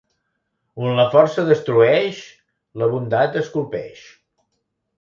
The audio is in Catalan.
On la força destrueix, la bondat esculpeix.